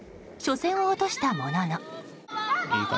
初戦を落としたものの。